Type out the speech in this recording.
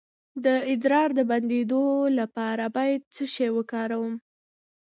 د ادرار د بندیدو لپاره باید څه شی وکاروم؟